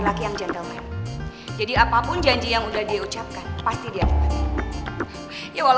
susah seperti jarum diceremi